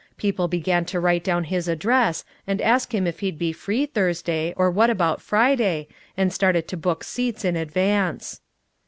People began to write down his address, and ask him if he'd be free Thursday, or what about Friday, and started to book seats in advance.